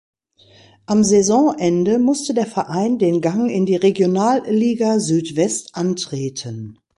Am Saisonende musste der Verein den Gang in die Regionalliga Südwest antreten.